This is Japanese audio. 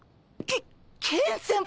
ケケン先輩？